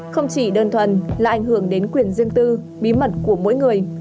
không chỉ đơn thuần là ảnh hưởng đến quyền riêng tư bí mật của mỗi người